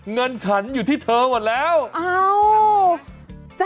เงินฉันอยู่ที่เธอกว่าแล้วเอ้า